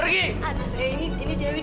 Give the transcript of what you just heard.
kamu gak usah di sini